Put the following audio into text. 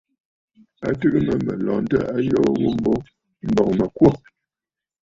Tɨgə mə mə̀ lɔntə ayoo ghu mbo, m̀bɔŋ mə̀ kwô.